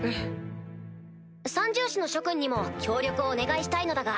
三獣士の諸君にも協力をお願いしたいのだが。